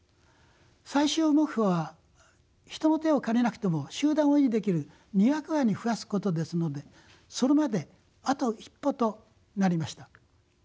最終目標は人の手を借りなくても集団を維持できる２００羽に増やすことですのでそれまであと一歩となりました。